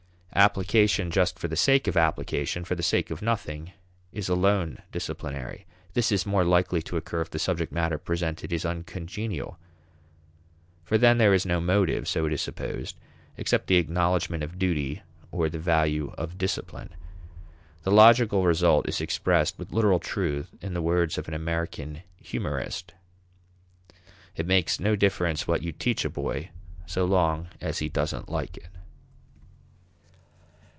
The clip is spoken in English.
Application just for the sake of application, for the sake of training, is alone disciplinary. This is more likely to occur if the subject matter presented is uncongenial, for then there is no motive (so it is supposed) except the acknowledgment of duty or the value of discipline. The logical result is expressed with literal truth in the words of an American humorist: "It makes no difference what you teach a boy so long as he doesn't like it."